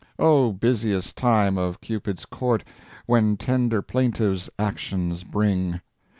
O busiest time of Cupid's court, When tender plaintiffs actions bring!